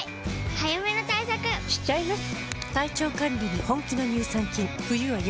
早めの対策しちゃいます。